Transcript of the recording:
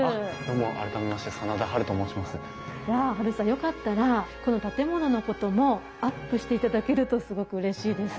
よかったらこの建物のこともアップしていただけるとすごくうれしいです。